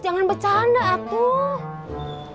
jangan bercanda atuh